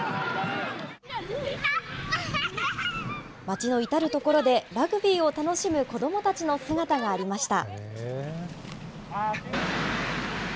町の至る所でラグビーを楽しむ子どもたちの姿がありました。